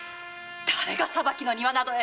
誰が裁きの庭などへ！